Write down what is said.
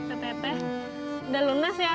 udah lunas ya